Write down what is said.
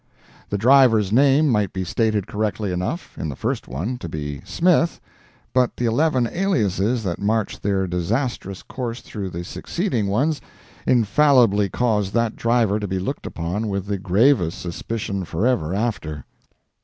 The driver's name might be stated correctly enough, in the first one, to be Smith, but the eleven aliases that marched their disastrous course through the succeeding ones, infallibly caused that driver to be looked upon with the gravest suspicion forever after.